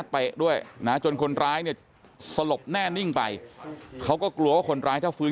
ด้วยนะจนคนร้ายเนี่ยสลบแน่นิ่งไปเขาก็กลัวว่าคนร้ายถ้าฟื้น